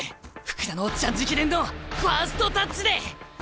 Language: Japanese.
福田のオッチャン直伝のファーストタッチで！